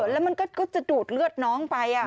แล้วมันก็จะดูดเลือดน้องไป